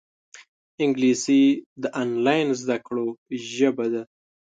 انګلیسي د آنلاین زده کړو ژبه ده